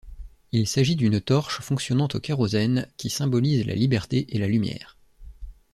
Il s'agit d'une torche fonctionnant au kérosène.qui symbolise la liberté et la lumière.